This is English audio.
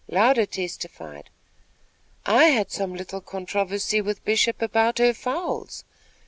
Louder testified: "I had some little controversy with Bishop about her fowls.